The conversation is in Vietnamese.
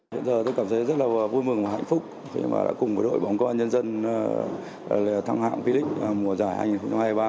hiện giờ tôi cảm thấy rất là vui mừng và hạnh phúc khi mà đã cùng với đội bóng công an nhân dân thăng hạng pic mùa giải hai nghìn hai mươi ba